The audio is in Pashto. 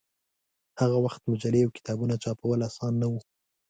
هغه وخت مجلې او کتابونه چاپول اسان نه و.